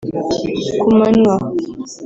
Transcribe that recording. Ku manywa